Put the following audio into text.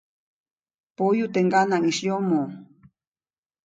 Poyu teʼ ŋganaŋʼis yomoʼ.